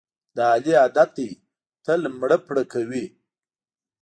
د علي عادت دی تل مړه پړه کوي.